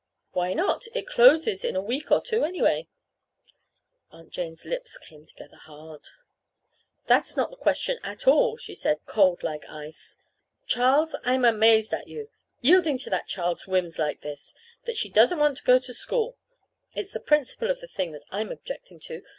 "Why not? It closes in a week or two, anyway." Aunt Jane's lips came together hard. "That's not the question at all," she said, cold like ice. "Charles, I'm amazed at you yielding to that child's whims like this that she doesn't want to go to school! It's the principle of the thing that I'm objecting to.